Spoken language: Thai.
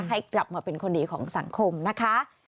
ให้กลับมาเป็นคนดีของสังคมนะคะ